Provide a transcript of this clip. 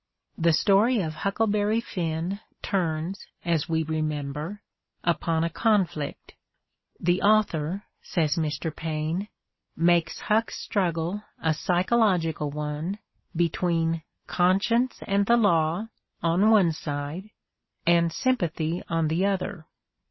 The story of '' Huckleberry Finn" turns, as we remember, upon a confiict: "the author," says Mr. Paine, "makes Huck's struggle a psychological one between conscience and the law, on one side, and sympathy on the other."